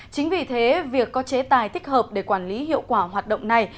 chính vì thế việc có chế tài thích hợp để quản lý hiệu quả hoạt động này